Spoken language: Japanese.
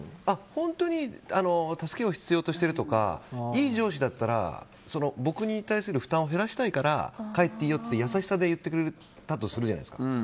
本当に助けを必要としてるとかいい上司だったら僕に対する負担を減らしたいから帰っていいよって優しさで言ってくれたとするじゃないですか。